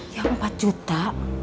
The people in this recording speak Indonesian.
yang empat juta